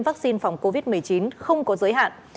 vắc xin phòng covid một mươi chín không có giới hạn